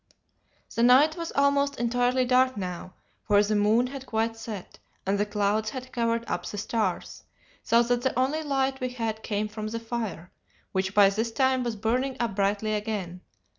"The night was almost entirely dark now, for the moon had quite set, and the clouds had covered up the stars, so that the only light we had came from the fire, which by this time was burning up brightly again.